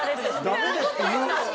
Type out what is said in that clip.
「ダメです」って言う。